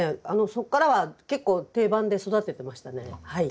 そこからは結構定番で育ててましたねはい。